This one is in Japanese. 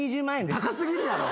高過ぎるやろ！